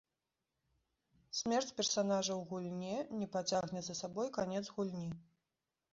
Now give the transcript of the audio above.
Смерць персанажа ў гульне не пацягне за сабой канец гульні.